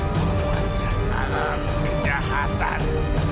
penguasa alam kejahatan